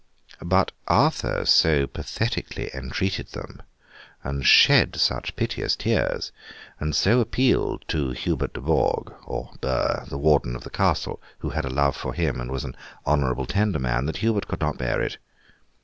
But Arthur so pathetically entreated them, and shed such piteous tears, and so appealed to Hubert de Bourg (or Burgh), the warden of the castle, who had a love for him, and was an honourable, tender man, that Hubert could not bear it.